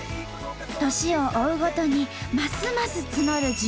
年を追うごとにますます募る地元愛。